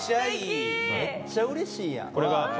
めっちゃうれしいやん。